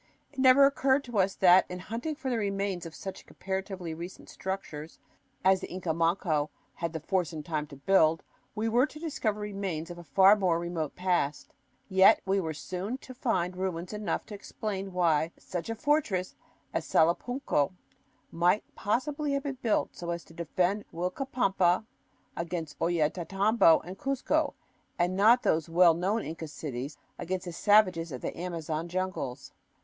It never occurred to us that, in hunting for the remains of such comparatively recent structures as the Inca Manco had the force and time to build, we were to discover remains of a far more remote past. Yet we were soon to find ruins enough to explain why such a fortress as Salapunco might possibly have been built so as to defend Uilcapampa against Ollantaytambo and Cuzco and not those well known Inca cities against the savages of the Amazon jungles.